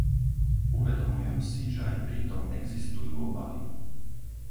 Uvedomujem si, že aj pritom existujú obavy.